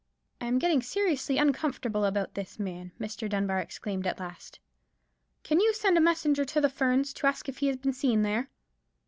"I am getting seriously uncomfortable about this man," Mr. Dunbar exclaimed at last. "Can you send a messenger to the Ferns, to ask if he has been seen there?"